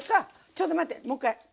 ちょっと待ってもう一回。